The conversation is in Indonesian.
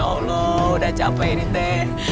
allah udah capek nih teh